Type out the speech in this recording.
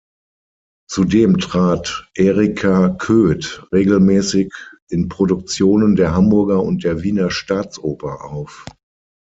Zudem trat Erika Köth regelmäßig in Produktionen der Hamburger und der Wiener Staatsoper auf.